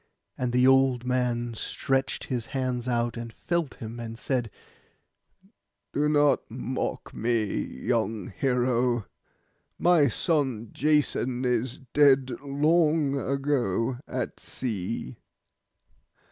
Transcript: And the old man stretched his hands out, and felt him, and said, 'Do not mock me, young hero. My son Jason is dead long ago at sea.